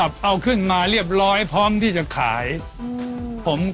ผมตื่นประมาณตี๕กว่าครับ